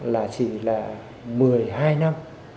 là chỉ là một mươi hai năm